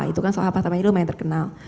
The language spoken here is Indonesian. itu kan soal apartemen itu lumayan terkenal